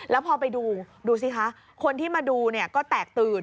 แล้วพอไปดูดูสิคะคนที่มาดูก็แตกตื่น